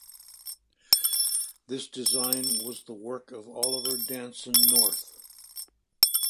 This design was the work of Oliver Danson North.